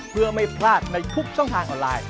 เพื่อไม่พลาดในทุกช่องทางออนไลน์